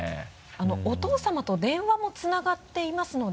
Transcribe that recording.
お父さまと電話もつながっていますので。